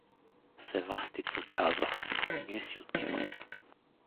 Севастица каза: — Ние си отиваме.